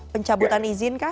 pencabutan izin kah